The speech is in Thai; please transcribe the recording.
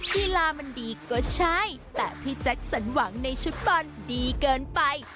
กีฬามันดีก็ใช่แต่พี่แจ็คสันหวังในชุดบอลดีเกินไป